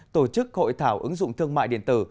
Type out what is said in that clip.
tổ chức hội thảo ứng dụng thương mại điện tử